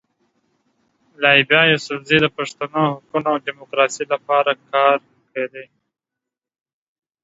لایبا یوسفزۍ د پښتنو د حقونو او ډیموکراسۍ لپاره کار کړی.